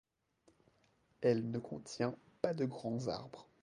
Elle ne contient pas de grands arbres.